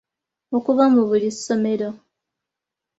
Okuva mu buli ssomero.